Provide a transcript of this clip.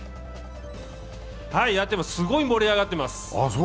すごい盛り上がってます。